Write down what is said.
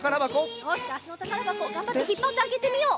よしじゃあしのたからばこがんばってひっぱってあけてみよう。